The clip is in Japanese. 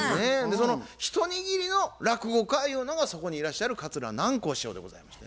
その一握りの落語家ゆうのがそこにいらっしゃる桂南光師匠でございまして。